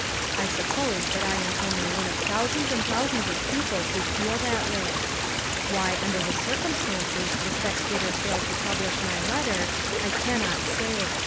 I suppose that I am only one of thousands and thousands of people who feel that way. Why under the circumstances the Spectator failed to publish my letter I cannot say.